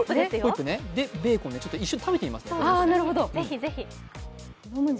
ベーコンね、一緒に食べてみます。